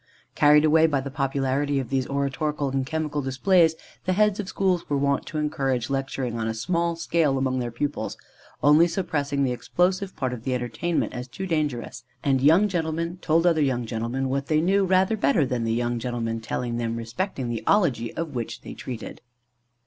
Carried away by the popularity of these oratorical and chemical displays, the heads of schools were wont to encourage lecturing on a small scale among their pupils, only suppressing the explosive part of the entertainment as too dangerous; and young gentlemen told other young gentlemen what they knew rather better than the young gentlemen telling them respecting the ology of which they treated.